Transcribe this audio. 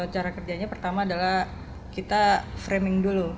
cara kerjanya pertama adalah kita framing dulu